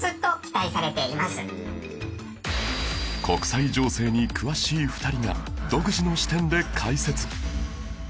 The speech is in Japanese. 国際情勢に詳しい２人が独自の視点で解説